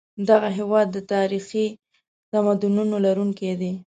دغه هېواد د تاریخي تمدنونو لرونکی دی.